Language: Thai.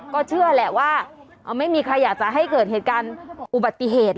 ก็เชื่อแหละว่าไม่มีใครอยากจะให้เกิดเหตุการณ์อุบัติเหตุ